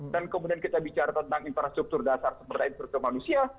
dan kemudian kita bicara tentang infrastruktur dasar sepertain infrastruktur manusia